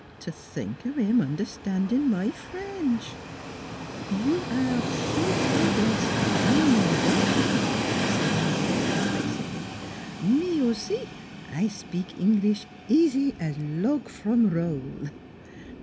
... T' think o' him understandin' my French !"" You aire sure progress fine an' dandy," said Madeleine complacently. " Me aussi, I spik Englis' easy as log from roll."